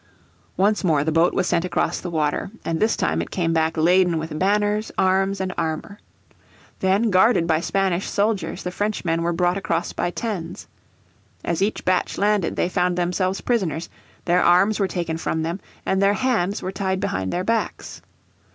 Once more the boat was sent across the water, and this time it came back laden with banners, arms and armour. Then guarded by Spanish soldiers the Frenchmen were brought across by tons. As each batch landed they found themselves prisoners; their arms were taken from them and their hands were tied behind their backs.